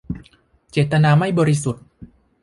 เจตนาไม่บริสุทธิ์